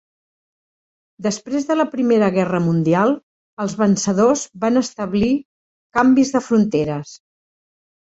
Després de la Primera Guerra Mundial, els vencedors van establir canvis de fronteres.